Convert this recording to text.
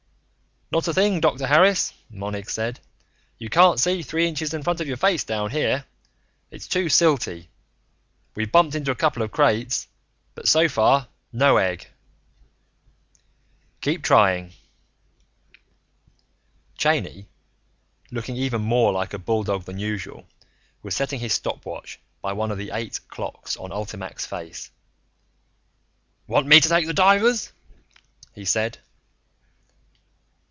"Not a thing, Dr. Harris," Monig said. "You can't see three inches in front of your face down here it's too silty. We've bumped into a couple of crates, but so far, no egg." "Keep trying." Cheyney, looking even more like a bulldog than usual, was setting his stopwatch by one of the eight clocks on ULTIMAC's face. "Want me to take the divers?" he said.